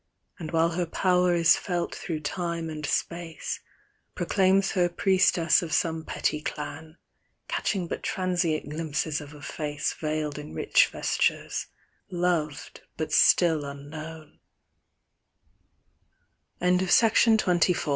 And while her power is felt through time and space, Proclaims her priestess of some petty clan. Catching but transient glimpses of a face Veiled in rich vestures, loved but still unknown.. ( 133 THE MYSTERY OF LIGHT.